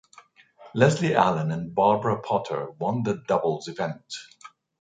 Leslie Allen and Barbara Potter won the doubles event.